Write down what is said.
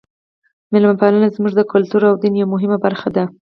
میلمه پالنه زموږ د کلتور او دین یوه مهمه برخه ده.